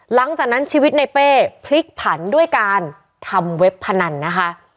หลังจากนั้นชีวิตในเป้พลิกผันด้วยการทำเว็บพนันนะคะ